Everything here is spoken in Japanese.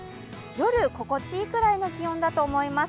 夜、心地いいくらいの気温だと思います。